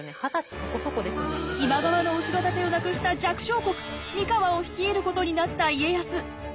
今川の後ろ盾をなくした弱小国三河を率いることになった家康。